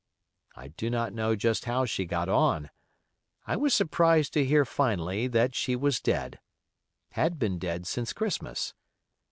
I do not know just how she got on. I was surprised to hear finally that she was dead—had been dead since Christmas.